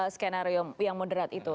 skenario yang moderat itu